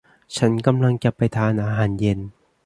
ฉันกำลังจะไปทานอาหารเย็น